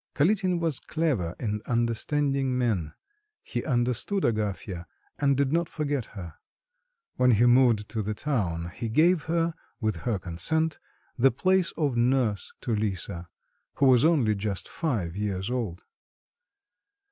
Kalitin was clever in understanding men; he understood Agafya and did not forget her. When he moved to the town, he gave her, with her consent, the place of nurse to Lisa, who was only just five years old.